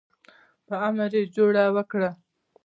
په امر یې جوړه وکړه.